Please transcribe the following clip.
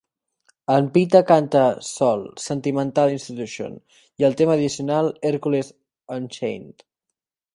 En Pete canta sol "Sentimental Institution" i el tema addicional "Hercules Unchained".